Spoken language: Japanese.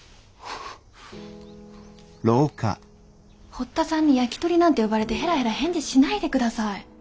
堀田さんにヤキトリなんて呼ばれてヘラヘラ返事しないでください。